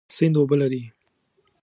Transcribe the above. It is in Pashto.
سیند اوبه لري.